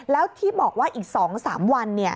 แล้วที่บอกว่าอีก๒๓วัน